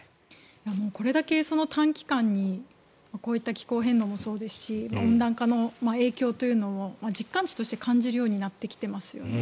これだけ短期間にこういった気候変動もそうですし温暖化の影響というのを実感値として感じるようになってきてますよね。